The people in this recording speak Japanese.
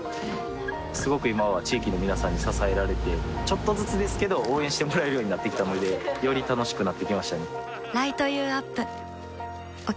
すごく今は地域の皆さんに支えられてちょっとずつですけど応援してもらえるようになってきたのでより楽しくなってきましたね